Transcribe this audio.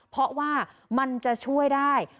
เพราะว่ามันจะช่วยได้